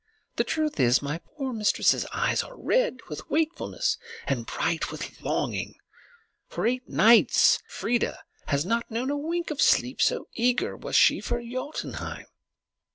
The truth is, my poor mistress's eyes are red with wakefulness and bright with longing. For eight nights Freia has not known a wink of sleep, so eager was she for Jotunheim."